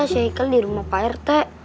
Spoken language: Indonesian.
si haikel di rumah pak rt